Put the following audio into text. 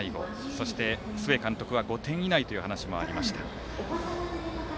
そして須江監督は５点以内という話もありました。